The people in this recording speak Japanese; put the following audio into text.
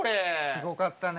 すごかったね。